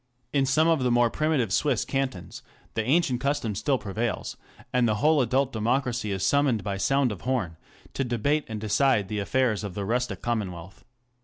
In some^of the more primitive Swiss cantons the ancient custom still prevails, and the whole adult democracy is summoned by sound of horn to debate and decide the affairs of the rustic commonwealth.